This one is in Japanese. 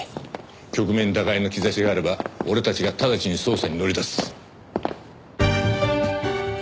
局面打開の兆しがあれば俺たちが直ちに捜査に乗り出す。